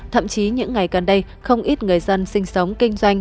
thậm chí những ngày gần đây không ít người dân sinh sống kinh doanh